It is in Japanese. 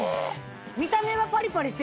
見た目はパリパリしてんな！